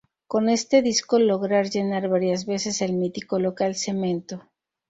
Con este disco lograr llenar varias veces el mítico local Cemento.